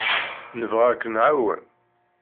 Nebɣa ad k-nɛawen.